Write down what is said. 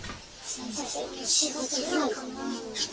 ４月ぐらいかな。